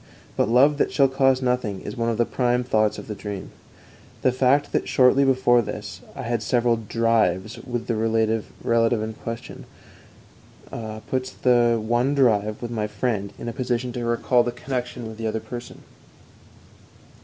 But love that shall cost nothing is one of the prime thoughts of the dream. The fact that shortly before this I had had several drives with the relative in question puts the one drive with my friend in a position to recall the connection with the other person.